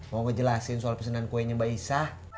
mau gue jelasin soal pesenan kuenya mbak isah